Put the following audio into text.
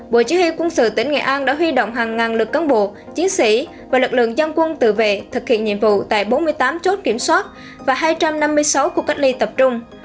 bộ chỉ huy quân sự tỉnh nghệ an đã huy động hàng ngàn lực cán bộ chiến sĩ và lực lượng dân quân tự vệ thực hiện nhiệm vụ tại bốn mươi tám chốt kiểm soát và hai trăm năm mươi sáu khu cách ly tập trung